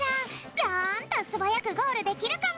ぴょんっとすばやくゴールできるかも！